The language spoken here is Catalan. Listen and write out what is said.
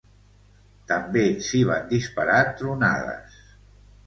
També s’hi van disparar tronades.